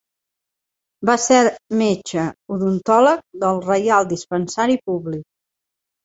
Va ser metge odontòleg del Reial Dispensari públic.